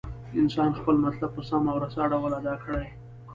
انسان خپل مطلب په سم او رسا ډول ادا کړي.